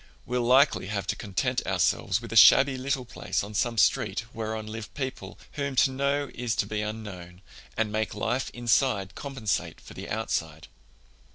We'll likely have to content ourselves with a shabby little place on some street whereon live people whom to know is to be unknown, and make life inside compensate for the outside."